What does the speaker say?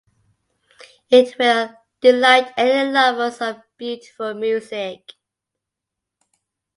It will delight any lovers of beautiful music.